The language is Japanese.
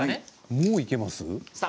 もういけます。